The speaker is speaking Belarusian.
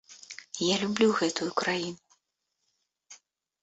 Я люблю гэтую краіну!